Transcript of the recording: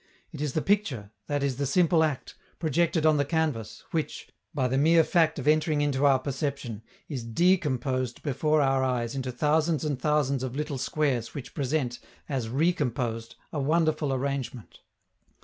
It is the picture, i.e. the simple act, projected on the canvas, which, by the mere fact of entering into our perception, is _de_composed before our eyes into thousands and thousands of little squares which present, as _re_composed, a wonderful arrangement.